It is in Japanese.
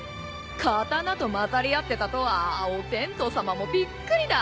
刀とまざり合ってたとはお天道さまもびっくりだ。